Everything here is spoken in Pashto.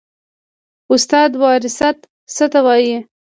استاده وراثت څه ته وایي